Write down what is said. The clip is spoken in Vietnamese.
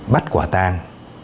bắt quả tang